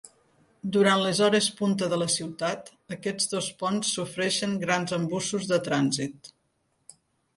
Durant les hores punta de la ciutat, aquests dos ponts sofreixen grans embussos de trànsit.